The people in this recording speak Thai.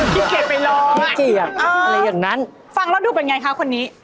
คิดเก็บไปร้องอะคิดเก็บอะไรอย่างนั้นฟังแล้วดูเป็นอย่างไรคะคนนี้